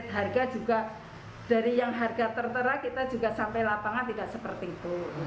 harga juga dari yang harga tertera kita juga sampai lapangan tidak seperti itu